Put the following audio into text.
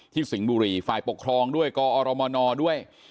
ที่สิงห์บุรีฟายปกครองด้วย